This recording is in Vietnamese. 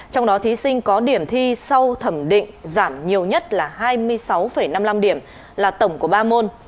trong đó thí sinh có điểm thi sau thẩm định giảm nhiều nhất là hai mươi sáu năm mươi năm điểm là tổng của ba môn